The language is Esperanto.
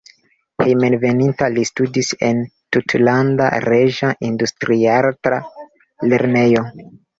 Hejmenveninta li studis en Tutlanda Reĝa Industriarta Lernejo.